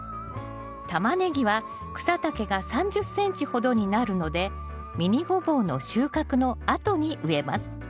タマネギは草丈が３０ｃｍほどになるのでミニゴボウの収穫のあとに植えます。